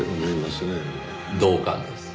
同感です。